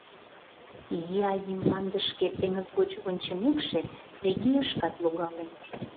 Изи Азий мландышке теҥыз гоч вончымекше, Фригийышкат логалын.